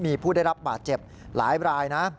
มีผู้ได้รับบาดเจ็บหลายรายนะ